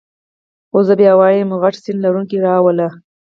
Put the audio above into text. خو زه بیا وایم یو غټ سینه لرونکی را وله.